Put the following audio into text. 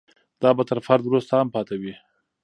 دا به تر فرد وروسته هم پاتې وي.